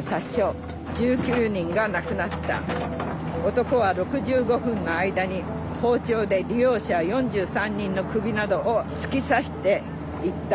「男は６５分の間に包丁で利用者４３人の首などを突き刺していった。